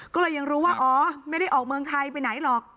ก็เลยยังรู้ว่าอ๋อไม่ได้ออกเมืองไทยไปไหนหรอก